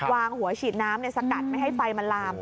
วางหัวฉีดน้ำสกัดไม่ให้ไฟมันลาม